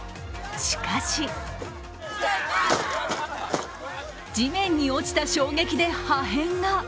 しかし地面に落ちた衝撃で、破片が。